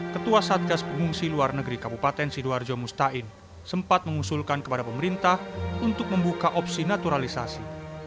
ketua satgas pengungsi luar negeri kabupaten sidoarjo mustain sempat mengusulkan kepada pemerintah untuk membuka opsi naturalisasi